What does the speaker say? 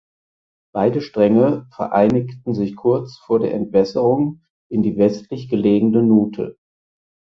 Beide Stränge vereinigen sich kurz vor der Entwässerung in die westlich gelegene Nuthe.